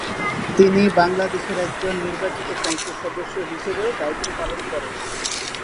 তিনি বাংলাদেশের একজন নির্বাচিত সংসদ সদস্য হিসেবেও দায়ীত্ব পালন করেন।